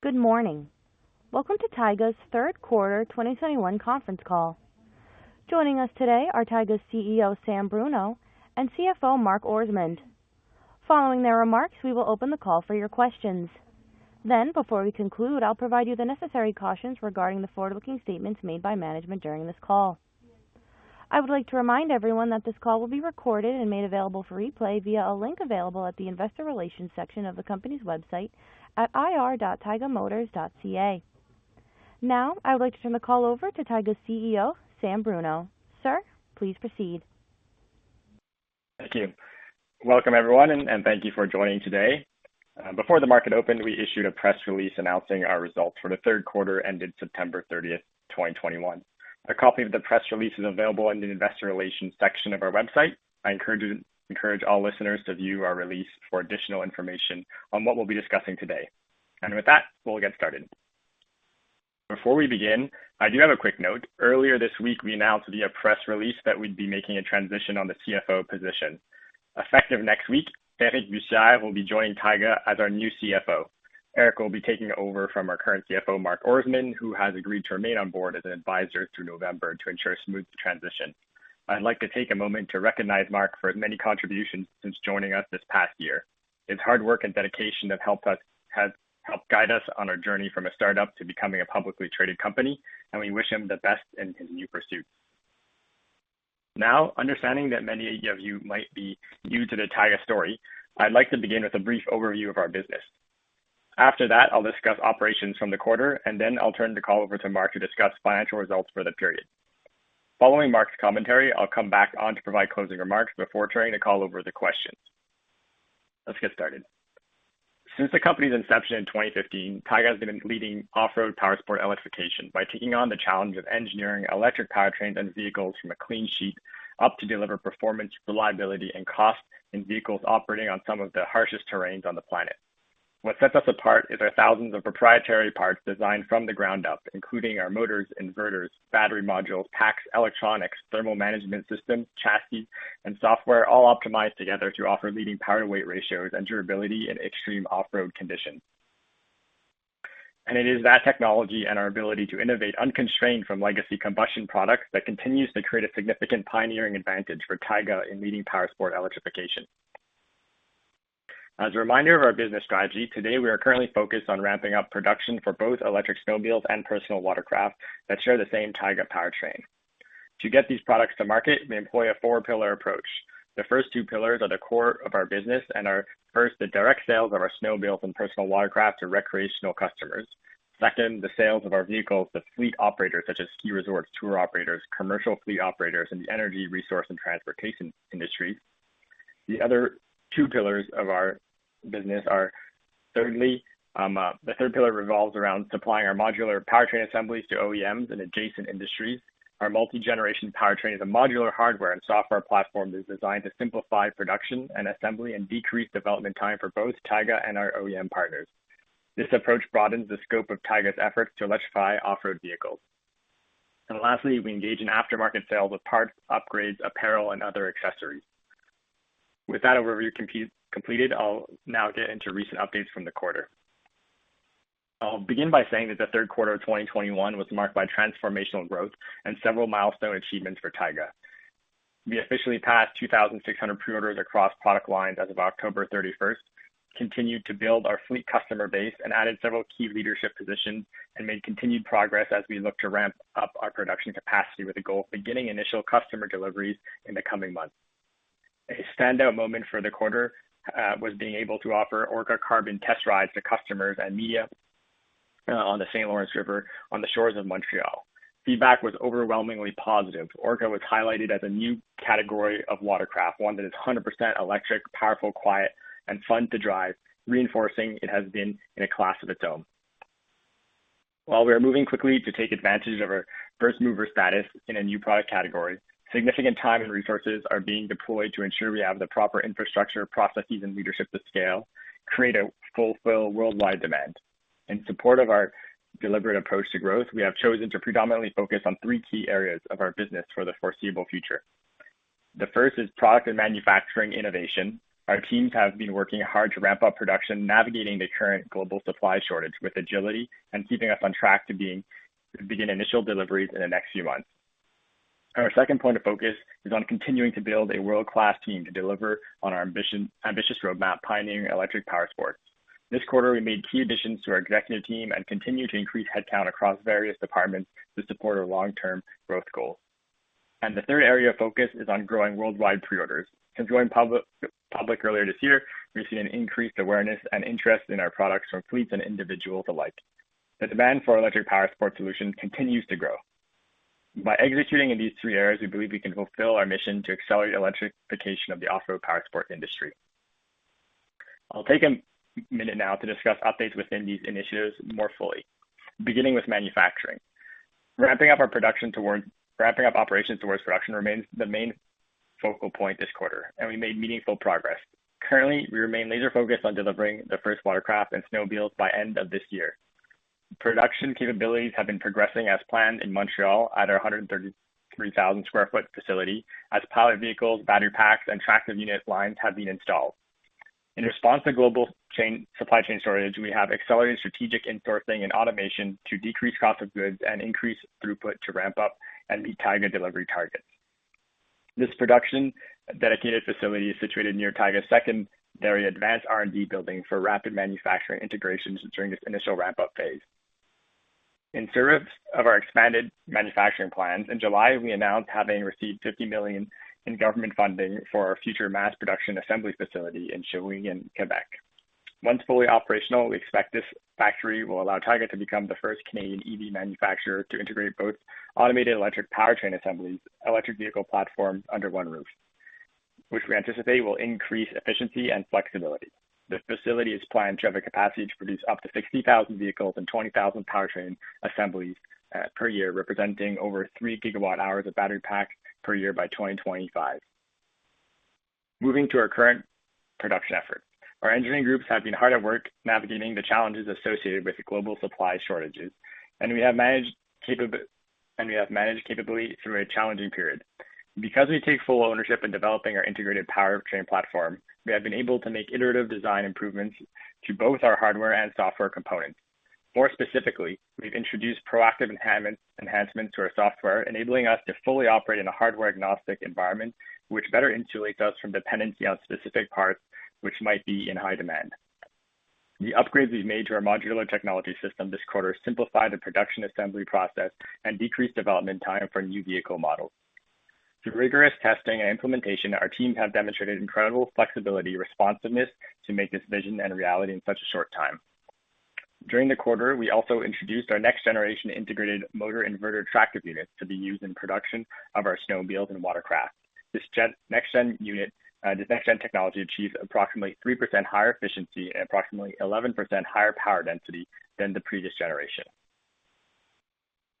Good morning. Welcome to Taiga's third quarter 2021 conference call. Joining us today are Taiga's CEO, Samuel Bruneau, and CFO, Mark Orsmond. Following their remarks, we will open the call for your questions. Then, before we conclude, I'll provide you the necessary cautions regarding the forward-looking statements made by management during this call. I would like to remind everyone that this call will be recorded and made available for replay via a link available at the investor relations section of the company's website at ir.taigamotors.ca. Now, I would like to turn the call over to Taiga's CEO, Samuel Bruneau. Sir, please proceed. Thank you. Welcome, everyone, and thank you for joining today. Before the market opened, we issued a press release announcing our results for the third quarter ending September 30, 2021. A copy of the press release is available in the investor relations section of our website. I encourage all listeners to view our release for additional information on what we'll be discussing today. With that, we'll get started. Before we begin, I do have a quick note. Earlier this week, we announced via press release that we'd be making a transition on the CFO position. Effective next week, Eric Bussières will be joining Taiga as our new CFO. Eric will be taking over from our current CFO, Mark Orsmond, who has agreed to remain on board as an advisor through November to ensure a smooth transition. I'd like to take a moment to recognize Mark for his many contributions since joining us this past year. His hard work and dedication has helped guide us on our journey from a startup to becoming a publicly traded company, and we wish him the best in his new pursuit. Now, understanding that many of you might be new to the Taiga story, I'd like to begin with a brief overview of our business. After that, I'll discuss operations for the quarter, and then I'll turn the call over to Mark to discuss financial results for the period. Following Mark's commentary, I'll come back on to provide closing remarks before turning the call over to the questions. Let's get started. Since the company's inception in 2015, Taiga has been leading off-road powersport electrification by taking on the challenge of engineering electric powertrains and vehicles from a clean sheet up to deliver performance, reliability, and cost in vehicles operating on some of the harshest terrains on the planet. What sets us apart is our thousands of proprietary parts designed from the ground up, including our motors, inverters, battery modules, packs, electronics, thermal management systems, chassis, and software, all optimized together to offer leading power and weight ratios and durability in extreme off-road conditions. It is that technology and our ability to innovate unconstrained from legacy combustion products that continues to create a significant pioneering advantage for Taiga in leading powersport electrification. As a reminder of our business strategy, today we are currently focused on ramping up production for both electric snowmobiles and personal watercraft that share the same Taiga powertrain. To get these products to market, we employ a four-pillar approach. The first two pillars are the core of our business and are, first, the direct sales of our snowmobiles and personal watercraft to recreational customers. Second, the sales of our vehicles to fleet operators such as ski resorts, tour operators, commercial fleet operators, and the energy resource and transportation industries. The other two pillars of our business are, thirdly, the third pillar revolves around supplying our modular powertrain assemblies to OEMs in adjacent industries. Our multi-generation powertrain is a modular hardware and software platform that is designed to simplify production and assembly and decrease development time for both Taiga and our OEM partners. This approach broadens the scope of Taiga's efforts to electrify off-road vehicles. Lastly, we engage in aftermarket sales with parts, upgrades, apparel, and other accessories. With that overview completed, I'll now get into recent updates from the quarter. I'll begin by saying that the third quarter of 2021 was marked by transformational growth and several milestone achievements for Taiga. We officially passed 2,600 pre-orders across product lines as of October 31, continued to build our fleet customer base, and added several key leadership positions, and made continued progress as we look to ramp up our production capacity with the goal of beginning initial customer deliveries in the coming months. A standout moment for the quarter was being able to offer Orca Carbon test rides to customers and media on the St. Lawrence River on the shores of Montreal. Feedback was overwhelmingly positive. Orca was highlighted as a new category of watercraft, one that is 100% electric, powerful, quiet, and fun to drive, reinforcing it has been in a class of its own. While we are moving quickly to take advantage of our first-mover status in a new product category, significant time and resources are being deployed to ensure we have the proper infrastructure, processes, and leadership to scale, create and fulfill worldwide demand. In support of our deliberate approach to growth, we have chosen to predominantly focus on three key areas of our business for the foreseeable future. The first is product and manufacturing innovation. Our teams have been working hard to ramp up production, navigating the current global supply shortage with agility and keeping us on track to begin initial deliveries in the next few months. Our second point of focus is on continuing to build a world-class team to deliver on our ambitious roadmap pioneering electric powersports. This quarter, we made key additions to our executive team and continued to increase headcount across various departments to support our long-term growth goals. The third area of focus is on growing worldwide pre-orders. Since going public earlier this year, we've seen an increased awareness and interest in our products from fleets and individuals alike. The demand for electric powersport solutions continues to grow. By executing in these three areas, we believe we can fulfill our mission to accelerate electrification of the off-road powersport industry. I'll take a minute now to discuss updates within these initiatives more fully, beginning with manufacturing. Ramping up operations towards production remains the main focal point this quarter, and we made meaningful progress. Currently, we remain laser focused on delivering the first watercraft and snowmobiles by end of this year. Production capabilities have been progressing as planned in Montreal at our 133,000 sq ft facility as powered vehicles, battery packs, and tractor unit lines have been installed. In response to global supply chain shortage, we have accelerated strategic insourcing and automation to decrease cost of goods and increase throughput to ramp up and meet Taiga delivery targets. This production dedicated facility is situated near Taiga's second very advanced R&D building for rapid manufacturing integrations during this initial ramp-up phase. In service of our expanded manufacturing plans, in July, we announced having received 50 million in government funding for our future mass production assembly facility in Shawinigan, Quebec. Once fully operational, we expect this factory will allow Taiga to become the first Canadian EV manufacturer to integrate both automated electric powertrain assemblies, electric vehicle platforms under one roof, which we anticipate will increase efficiency and flexibility. This facility is planned to have a capacity to produce up to 60,000 vehicles and 20,000 powertrain assemblies per year, representing over 3 GW hours of battery pack per year by 2025. Moving to our current production efforts. Our engineering groups have been hard at work navigating the challenges associated with the global supply shortages, and we have managed capably through a challenging period. Because we take full ownership in developing our integrated powertrain platform, we have been able to make iterative design improvements to both our hardware and software components. More specifically, we've introduced proactive enhancements to our software, enabling us to fully operate in a hardware-agnostic environment, which better insulates us from dependency on specific parts which might be in high demand. The upgrades we've made to our modular technology system this quarter simplify the production assembly process and decrease development time for new vehicle models. Through rigorous testing and implementation, our teams have demonstrated incredible flexibility, responsiveness to make this vision a reality in such a short time. During the quarter, we also introduced our next generation integrated motor inverter tractor unit to be used in production of our snowmobiles and watercraft. This next gen technology achieves approximately 3% higher efficiency and approximately 11% higher power density than the previous generation.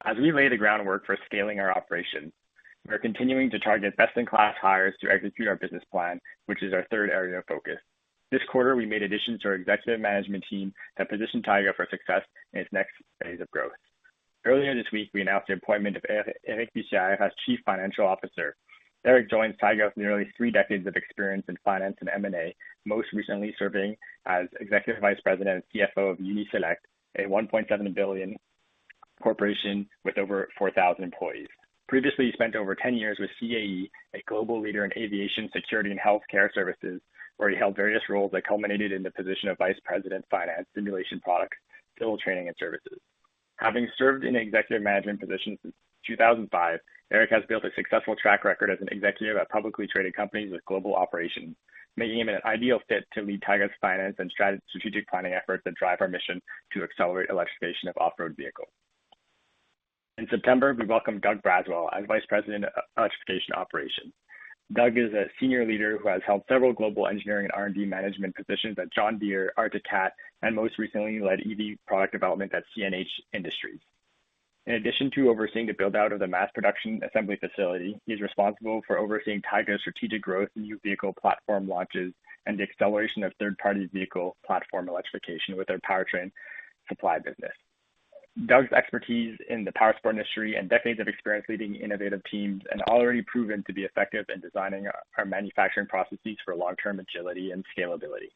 As we lay the groundwork for scaling our operations, we are continuing to target best-in-class hires to execute our business plan, which is our third area of focus. This quarter, we made additions to our executive management team that position Taiga for success in its next phase of growth. Earlier this week, we announced the appointment of Eric Bussières as Chief Financial Officer. Eric joins Taiga with nearly three decades of experience in finance and M&A, most recently serving as Executive Vice President and CFO of Uni-Select, a 1.7 billion corporation with over 4,000 employees. Previously, he spent over 10 years with CAE, a global leader in aviation security and healthcare services, where he held various roles that culminated in the position of Vice President of Finance, Simulation Products, Digital Training and Services. Having served in executive management positions since 2005, Eric Bussières has built a successful track record as an executive at publicly traded companies with global operations, making him an ideal fit to lead Taiga's finance and strategic planning efforts that drive our mission to accelerate electrification of off-road vehicles. In September, we welcomed Doug Braswell as Vice President of Electrification Operations. Doug is a senior leader who has held several global engineering and R&D management positions at John Deere, Arctic Cat, and most recently led EV product development at CNH Industrial. In addition to overseeing the build-out of the mass production assembly facility, he's responsible for overseeing Taiga's strategic growth in new vehicle platform launches and the acceleration of third-party vehicle platform electrification with our powertrain supply business. Doug's expertise in the power sport industry and decades of experience leading innovative teams and already proven to be effective in designing our manufacturing processes for long-term agility and scalability.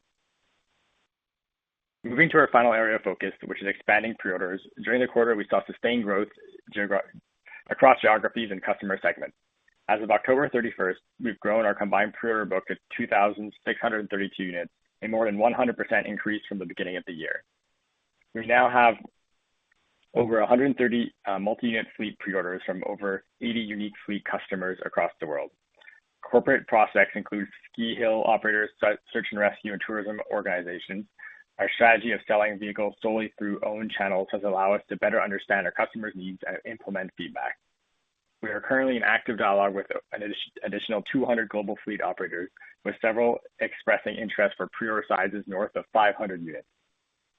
Moving to our final area of focus, which is expanding pre-orders. During the quarter, we saw sustained growth across geographies and customer segments. As of October 31, we've grown our combined pre-order book of 2,632 units, a more than 100% increase from the beginning of the year. We now have over 130 multi-unit fleet pre-orders from over 80 unique fleet customers across the world. Corporate prospects include ski hill operators, search and rescue, and tourism organizations. Our strategy of selling vehicles solely through own channels has allowed us to better understand our customers' needs and implement feedback. We are currently in active dialogue with an additional 200 global fleet operators, with several expressing interest for pre-order sizes north of 500 units.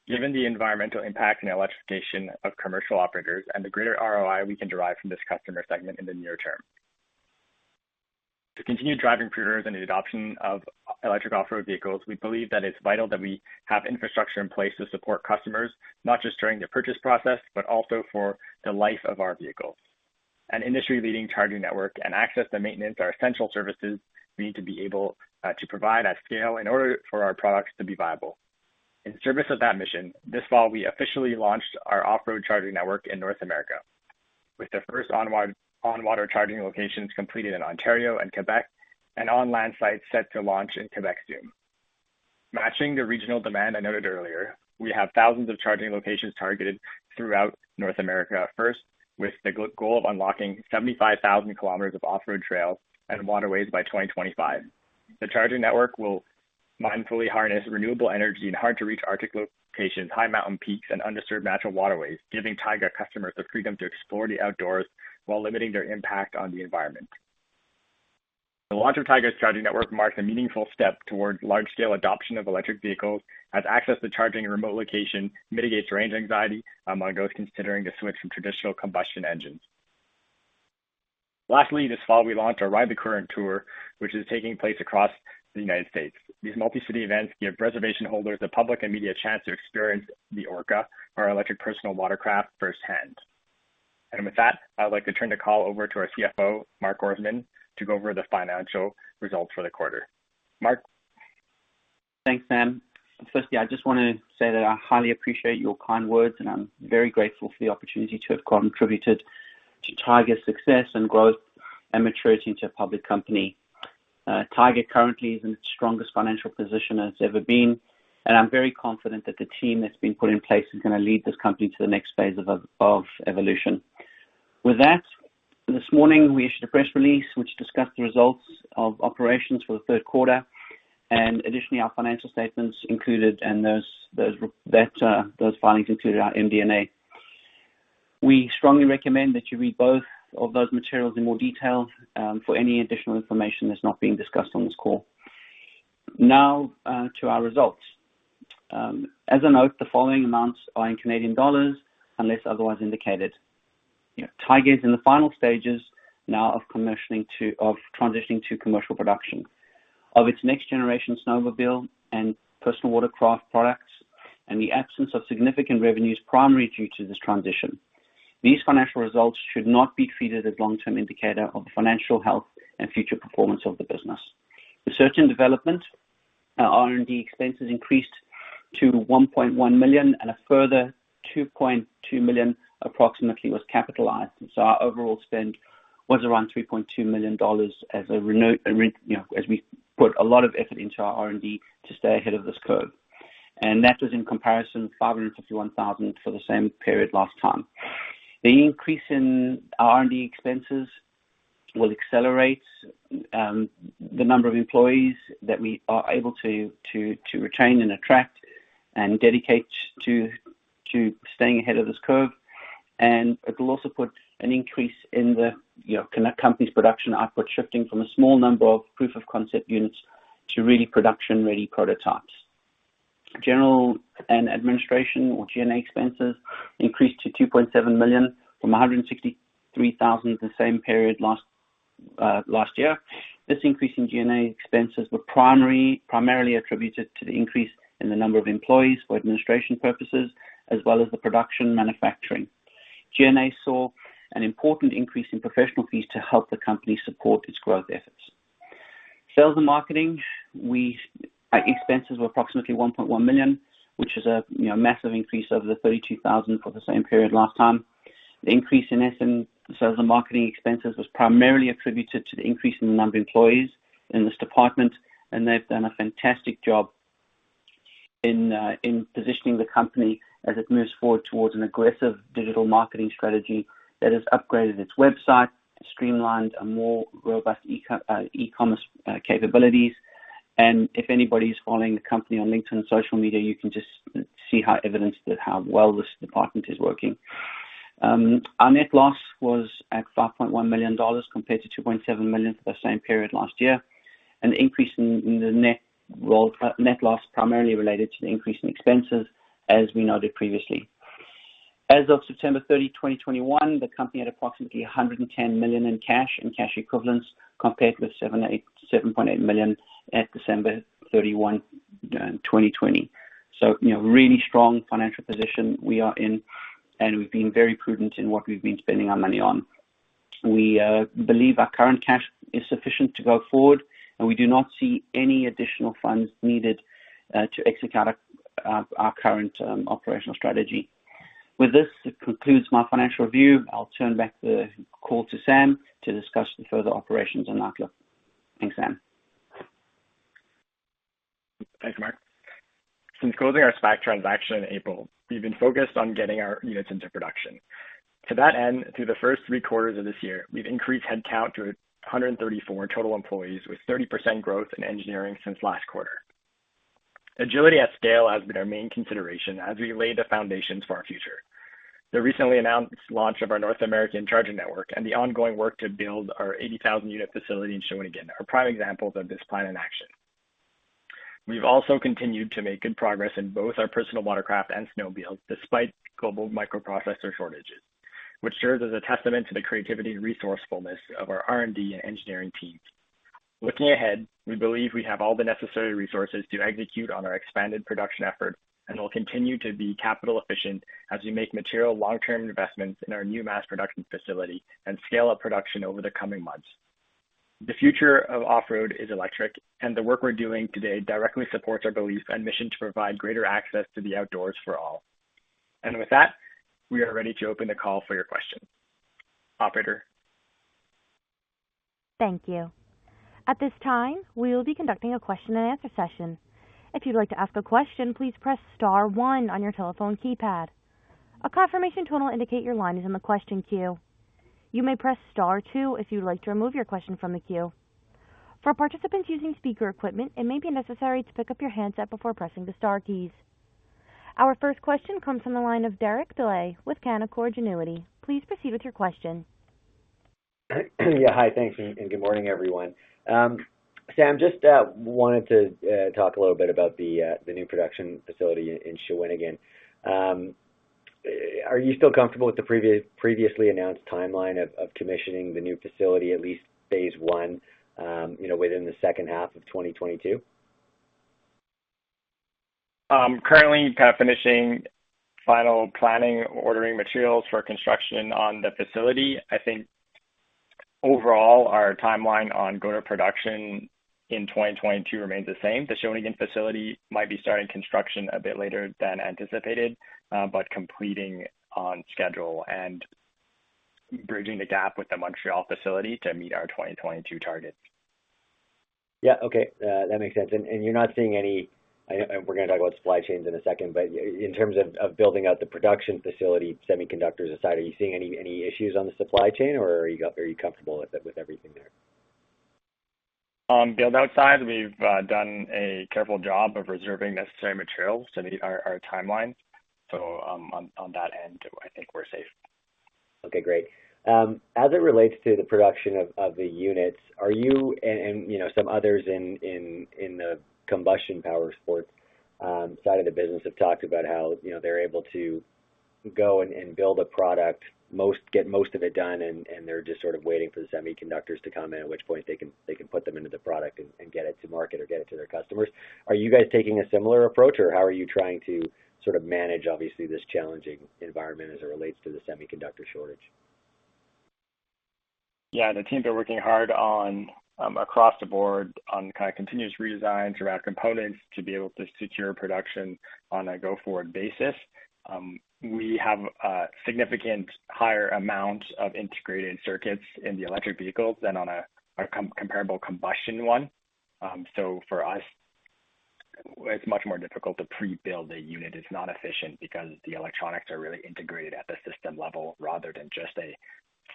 Given the environmental impact and electrification of commercial operators and the greater ROI we can derive from this customer segment in the near term, to continue driving pre-orders and the adoption of electric off-road vehicles, we believe that it's vital that we have infrastructure in place to support customers, not just during the purchase process, but also for the life of our vehicles. An industry-leading charging network and access to maintenance are essential services we need to be able to provide at scale in order for our products to be viable. In service of that mission, this fall, we officially launched our off-road charging network in North America, with the first on water charging locations completed in Ontario and Quebec, and on land sites set to launch in Quebec soon. Matching the regional demand I noted earlier, we have thousands of charging locations targeted throughout North America first, with the goal of unlocking 75,000 km of off-road trails and waterways by 2025. The charging network will mindfully harness renewable energy in hard to reach arctic locations, high mountain peaks, and undisturbed natural waterways, giving Taiga customers the freedom to explore the outdoors while limiting their impact on the environment. The launch of Taiga's charging network marks a meaningful step towards large-scale adoption of electric vehicles as access to charging in remote locations mitigates range anxiety among those considering the switch from traditional combustion engines. Lastly, this fall, we launched our Ride the Current tour, which is taking place across the United States. These multi-city events give reservation holders, the public and media a chance to experience the Orca, our electric personal watercraft firsthand. With that, I'd like to turn the call over to our CFO, Mark Orsmond, to go over the financial results for the quarter. Mark? Thanks, Sam. Firstly, I just want to say that I highly appreciate your kind words, and I'm very grateful for the opportunity to have contributed to Taiga's success and growth and maturity into a public company. Taiga currently is in its strongest financial position it's ever been, and I'm very confident that the team that's been put in place is gonna lead this company to the next phase of evolution. With that, this morning, we issued a press release which discussed the results of operations for the third quarter and additionally, our financial statements included, and those filings included our MD&A. We strongly recommend that you read both of those materials in more detail for any additional information that's not being discussed on this call. Now, to our results. As a note, the following amounts are in Canadian dollars unless otherwise indicated. Taiga is in the final stages now of commissioning of transitioning to commercial production of its next-generation snowmobile and personal watercraft products, and the absence of significant revenue is primarily due to this transition. These financial results should not be treated as a long-term indicator of the financial health and future performance of the business. The research and development, R&D expenses increased to 1.1 million and a further 2.2 million approximately was capitalized. So our overall spend was around 3.2 million dollars you know, as we put a lot of effort into our R&D to stay ahead of this curve. That was in comparison to 551,000 for the same period last time. The increase in R&D expenses will accelerate the number of employees that we are able to retain and attract and dedicate to staying ahead of this curve. It will also put an increase in the, you know, company's production output, shifting from a small number of proof of concept units to really production-ready prototypes. General and administration or G&A expenses increased to 2.7 million from 163,000 the same period last year. This increase in G&A expenses were primarily attributed to the increase in the number of employees for administration purposes as well as the production manufacturing. G&A saw an important increase in professional fees to help the company support its growth efforts. Sales and marketing, our expenses were approximately 1.1 million, which is a, you know, massive increase over the 32,000 for the same period last time. The increase in sales and marketing expenses was primarily attributed to the increase in the number of employees in this department, and they've done a fantastic job in positioning the company as it moves forward towards an aggressive digital marketing strategy that has upgraded its website, streamlined a more robust e-commerce capabilities. If anybody is following the company on LinkedIn and social media, you can just see how evident that how well this department is working. Our net loss was 5.1 million dollars compared to 2.7 million for the same period last year. An increase in the net loss primarily related to the increase in expenses as we noted previously. As of September 30, 2021, the company had approximately 110 million in cash and cash equivalents, compared with 7.8 million at December 31, 2020. You know, really strong financial position we are in, and we've been very prudent in what we've been spending our money on. We believe our current cash is sufficient to go forward, and we do not see any additional funds needed to execute our current operational strategy. With this, it concludes my financial review. I'll turn back the call to Sam to discuss the further operations and outlook. Thanks, Sam. Thanks, Mark. Since closing our SPAC transaction in April, we've been focused on getting our units into production. To that end, through the first three quarters of this year, we've increased headcount to 134 total employees with 30% growth in engineering since last quarter. Agility at scale has been our main consideration as we lay the foundations for our future. The recently announced launch of our North American charging network and the ongoing work to build our 80,000-unit facility in Shawinigan are prime examples of this plan in action. We've also continued to make good progress in both our personal watercraft and snowmobiles, despite global microprocessor shortages, which serves as a testament to the creativity and resourcefulness of our R&D and engineering teams. Looking ahead, we believe we have all the necessary resources to execute on our expanded production effort and will continue to be capital efficient as we make material long-term investments in our new mass production facility and scale up production over the coming months. The future of off-road is electric, and the work we're doing today directly supports our belief and mission to provide greater access to the outdoors for all. With that, we are ready to open the call for your questions. Operator? Our first question comes from the line of Derek Dley with Canaccord Genuity. Please proceed with your question. Yeah. Hi. Thanks and good morning, everyone. Sam, just wanted to talk a little bit about the new production facility in Shawinigan. Are you still comfortable with the previously announced timeline of commissioning the new facility, at least phase one, you know, within the second half of 2022? Currently kind of finishing final planning, ordering materials for construction on the facility. I think overall, our timeline on go-to-production in 2022 remains the same. The Shawinigan facility might be starting construction a bit later than anticipated, but completing on schedule and bridging the gap with the Montreal facility to meet our 2022 targets. Yeah. Okay. That makes sense. You're not seeing any I know we're gonna talk about supply chains in a second, but in terms of building out the production facility, semiconductors aside, are you seeing any issues on the supply chain, or are you comfortable with it, with everything there? On build-out side, we've done a careful job of reserving necessary materials to meet our timelines. On that end, I think we're safe. Okay, great. As it relates to the production of the units, have you and you know some others in the combustion powersports side of the business talked about how, you know, they're able to go and build a product, get most of it done, and they're just sort of waiting for the semiconductors to come in, at which point they can put them into the product and get it to market or get it to their customers. Are you guys taking a similar approach, or how are you trying to sort of manage, obviously, this challenging environment as it relates to the semiconductor shortage? Yeah. The teams are working hard on across the board on kind of continuous redesigns around components to be able to secure production on a go-forward basis. We have significant higher amounts of integrated circuits in the electric vehicles than on a comparable combustion one. For us, it's much more difficult to pre-build a unit. It's not efficient because the electronics are really integrated at the system level rather than just a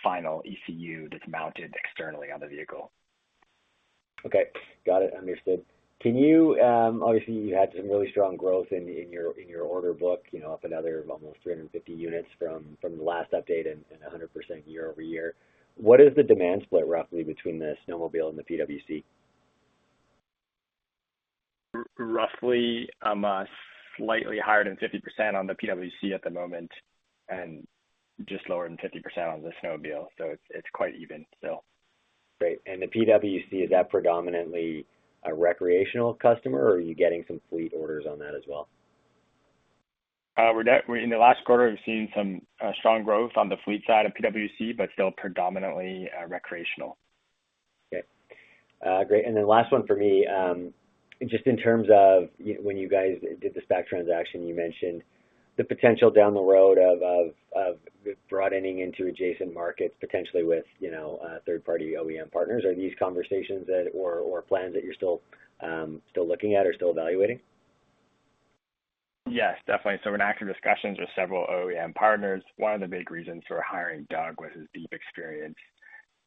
final ECU that's mounted externally on the vehicle. Okay. Got it. Understood. Obviously, you had some really strong growth in your order book, you know, up another almost 350 units from the last update and a 100% year-over-year. What is the demand split roughly between the snowmobile and the PWC? Roughly, slightly higher than 50% on the PWC at the moment and just lower than 50% on the snowmobile. It's quite even still. Great. The PWC, is that predominantly a recreational customer, or are you getting some fleet orders on that as well? In the last quarter, we've seen some strong growth on the fleet side of PWC, but still predominantly recreational. Okay. Great. Then last one for me. Just in terms of when you guys did the SPAC transaction, you mentioned the potential down the road of broadening into adjacent markets, potentially with, you know, third-party OEM partners. Are these conversations that or plans that you're still looking at or still evaluating? Yes, definitely. We're in active discussions with several OEM partners. One of the big reasons for hiring Doug was his deep experience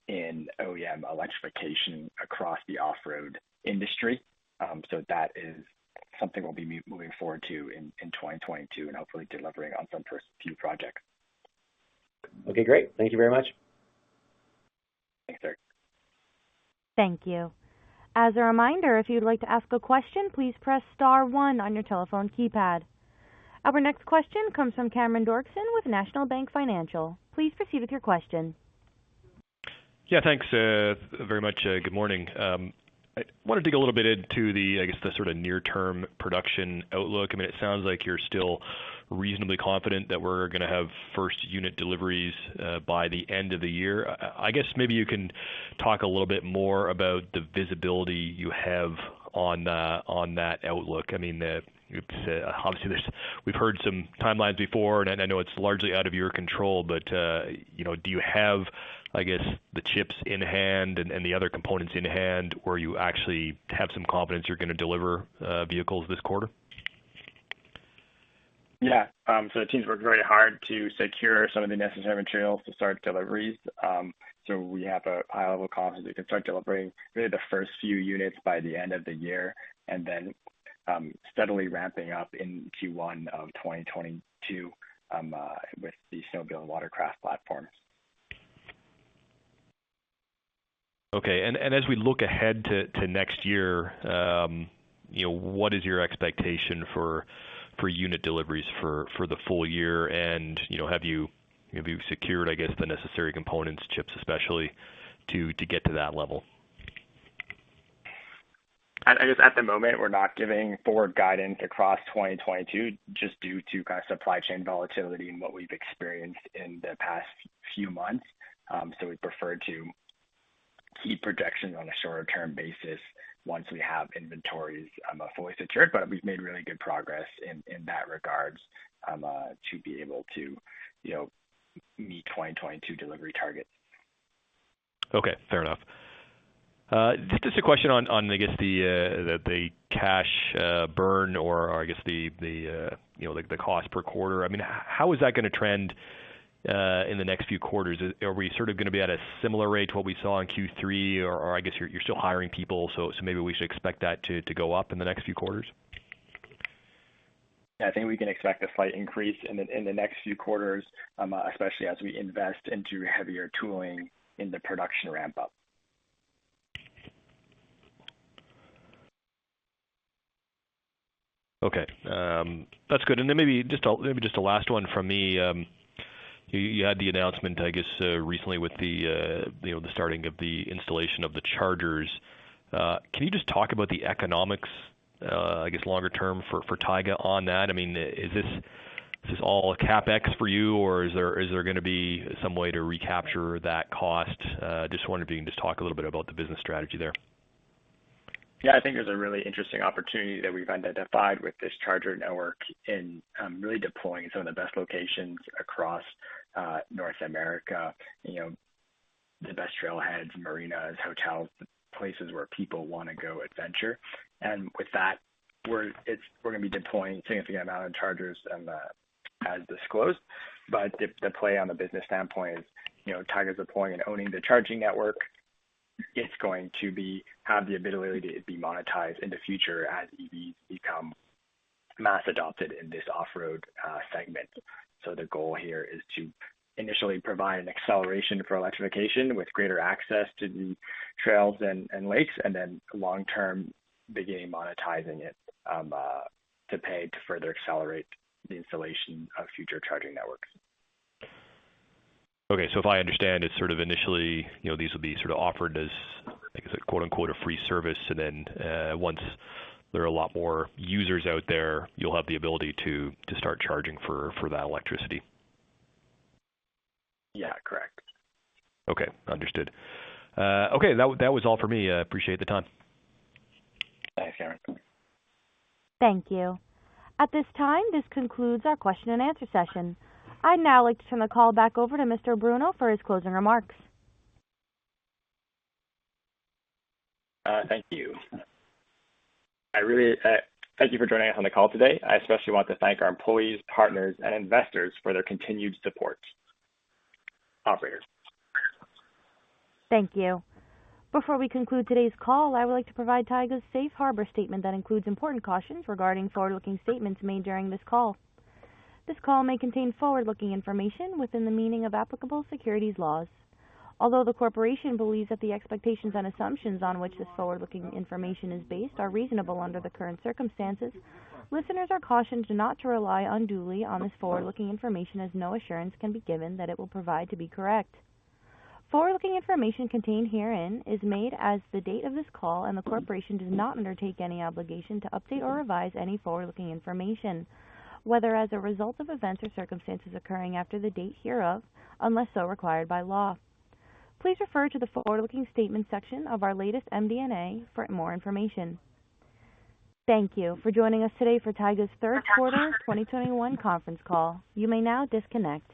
in OEM electrification across the off-road industry. That is something we'll be moving forward to in 2022 and hopefully delivering on some first few projects. Okay, great. Thank you very much. Thanks, Derek. Thank you. As a reminder, if you'd like to ask a question, please press star one on your telephone keypad. Our next question comes from Cameron Doerksen with National Bank Financial. Please proceed with your question. Yeah, thanks, very much. Good morning. I wanna dig a little bit into the, I guess, the sort of near-term production outlook. I mean, it sounds like you're still reasonably confident that we're gonna have first unit deliveries by the end of the year. I guess maybe you can talk a little bit more about the visibility you have on that outlook. I mean, obviously, we've heard some timelines before, and I know it's largely out of your control, but you know, do you have, I guess, the chips in hand and the other components in hand where you actually have some confidence you're gonna deliver vehicles this quarter? The team's worked very hard to secure some of the necessary materials to start deliveries. We have a high level of confidence we can start delivering really the first few units by the end of the year, and then steadily ramping up in Q1 of 2022 with the snowmobile and watercraft platforms. Okay. As we look ahead to next year, you know, what is your expectation for unit deliveries for the full year? You know, have you secured, I guess, the necessary components, chips especially, to get to that level? I guess at the moment, we're not giving forward guidance across 2022 just due to kind of supply chain volatility and what we've experienced in the past few months. We prefer to keep projections on a shorter term basis once we have inventories fully secured. We've made really good progress in that regards to be able to, you know, meet 2022 delivery targets. Okay, fair enough. Just a question on, I guess the cash burn or I guess the you know, like the cost per quarter. I mean, how is that gonna trend in the next few quarters? Are we sort of gonna be at a similar rate to what we saw in Q3 or I guess you're still hiring people, so maybe we should expect that to go up in the next few quarters? Yeah, I think we can expect a slight increase in the next few quarters, especially as we invest into heavier tooling in the production ramp up. Okay. That's good. Maybe just a last one from me. You had the announcement, I guess, recently with the, you know, the starting of the installation of the chargers. Can you just talk about the economics, I guess longer term for Taiga on that? I mean, is this all a CapEx for you, or is there gonna be some way to recapture that cost? Just wondering if you can just talk a little bit about the business strategy there. Yeah. I think there's a really interesting opportunity that we've identified with this charger network in really deploying some of the best locations across North America, you know, the best trailheads, marinas, hotels, places where people wanna go adventure. With that, we're gonna be deploying a significant amount of chargers and as disclosed. The play on the business standpoint is, you know, Taiga's deploying and owning the charging network. It's going to have the ability to be monetized in the future as EVs become mass adopted in this off-road segment. The goal here is to initially provide an acceleration for electrification with greater access to the trails and lakes, and then long-term, beginning monetizing it to pay to further accelerate the installation of future charging networks. Okay. If I understand, it's sort of initially, you know, these will be sort of offered as, I guess, quote-unquote, "a free service," and then once there are a lot more users out there, you'll have the ability to start charging for that electricity. Yeah, correct. Okay, understood. Okay, that was all for me. I appreciate the time. Thanks, Cameron. Thank you. At this time, this concludes our question and answer session. I'd now like to turn the call back over to Mr. Bruneau for his closing remarks. Thank you. Thank you for joining us on the call today. I especially want to thank our employees, partners, and investors for their continued support. Operator. Thank you. Before we conclude today's call, I would like to provide Taiga's safe harbor statement that includes important cautions regarding forward-looking statements made during this call. This call may contain forward-looking information within the meaning of applicable securities laws. Although the corporation believes that the expectations and assumptions on which this forward-looking information is based are reasonable under the current circumstances, listeners are cautioned not to rely unduly on this forward-looking information, as no assurance can be given that it will prove to be correct. Forward-looking information contained herein is made as of the date of this call, and the corporation does not undertake any obligation to update or revise any forward-looking information, whether as a result of events or circumstances occurring after the date hereof unless so required by law. Please refer to the forward-looking statement section of our latest MD&A for more information. Thank you for joining us today for Taiga's third quarter 2021 conference call. You may now disconnect.